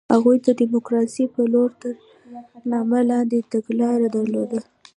هغوی د ډیموکراسۍ په لور تر نامه لاندې تګلاره درلوده.